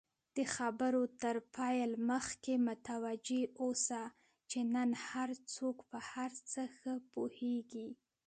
د خبرو تر پیل مخکی متوجه اوسه، چی نن هرڅوک په هرڅه ښه پوهیږي!